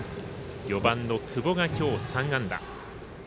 ４番の久保が今日３安打。